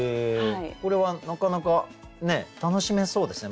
これはなかなか楽しめそうですね。